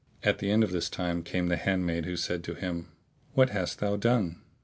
At the end of this time came the handmaid and said to him, "What hast thou done?"